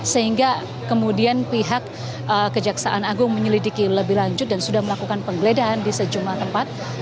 sehingga kemudian pihak kejaksaan agung menyelidiki lebih lanjut dan sudah melakukan penggeledahan di sejumlah tempat